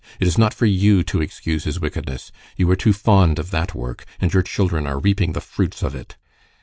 "It is not for you to excuse his wickedness. You are too fond of that work, and your children are reaping the fruits of it."